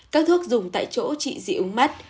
các thuốc dùng tại chỗ trị dị ứng mắt